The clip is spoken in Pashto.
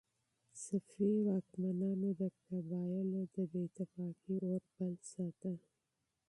صفوي واکمنانو د قبایلو د بې اتفاقۍ اور بل ساته.